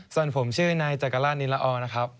ส่วนผมชื่อนายจักรราชนิละออนะครับ